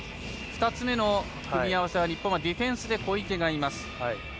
２つ目の組み合わせは日本はディフェンスで小池がいます。